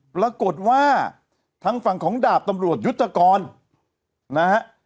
ปรากฏว่าทางฝั่งของดาบตำรวจยุทธกรนะฮะ